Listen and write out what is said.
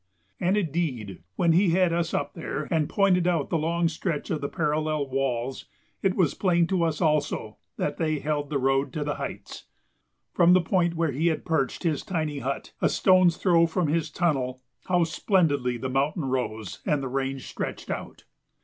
And, indeed, when he had us up there and pointed out the long stretch of the parallel walls it was plain to us also that they held the road to the heights. From the point where he had perched his tiny hut, a stone's throw from his tunnel, how splendidly the mountain rose and the range stretched out!